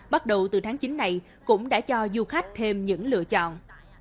bắt đầu từ tháng chín này cũng đã cho du khách thêm những lựa chọn